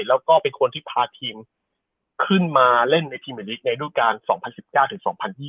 แล้วก็เป็นคนที่พาทีมขึ้นมาเล่นในพรีเมอร์ลีกในรูปการ๒๐๑๙ถึง๒๐๒๐